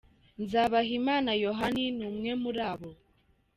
Nzabahimana Yohani ni umwe muri bo.